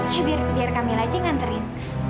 ya biar kak mila aja yang nganterin